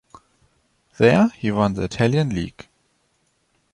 There he won the Italian League.